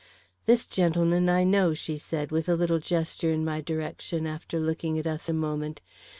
"This gentleman I know," she said, with a little gesture in my direction, after looking at us a moment.